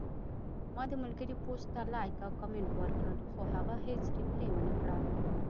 ما د ملګري پوسټ ته لایک او کمنټ ورکړل، خو هغه هیڅ ریپلی ونکړه